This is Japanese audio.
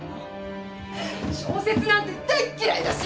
小説なんて大嫌いだし！